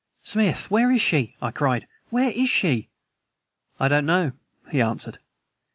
"Smith, where is she?" I cried. "Where is she?" "I don't know," he answered.